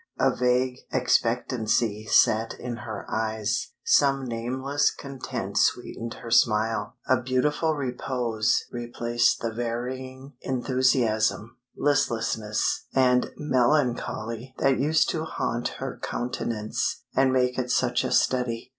A vague expectancy sat in her eyes, some nameless content sweetened her smile, a beautiful repose replaced the varying enthusiasm, listlessness, and melancholy that used to haunt her countenance and make it such a study.